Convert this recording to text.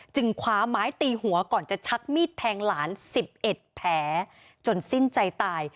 คว้าไม้ตีหัวก่อนจะชักมีดแทงหลาน๑๑แผลจนสิ้นใจตาย